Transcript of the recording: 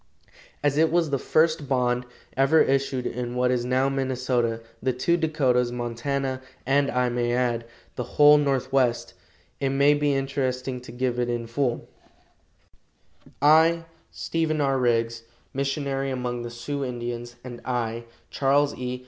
As it was the first bond ever issued in what is now Minnesota, the two Dakotas, Montana, and, I may add, the whole Northwest; it may be interesting to give it in full: "I, STEPHEN R. RIGGS, Missionary among the Sioux Indians, and I, CHARLES E.